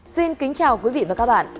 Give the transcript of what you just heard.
xin kính chào quý vị và các bạn